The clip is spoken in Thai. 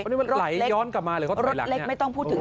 อันนี้ว่าไหลย้อนกลับมาเหลือเอาไถ่หลังใช่ไหม